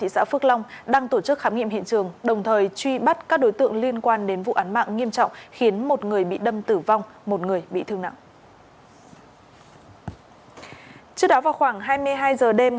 xin chào và hẹn gặp lại